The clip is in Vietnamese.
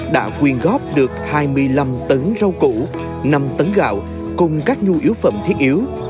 đã quyên góp được hai mươi năm tấn rau củ năm tấn gạo cùng các nhu yếu phẩm thiết yếu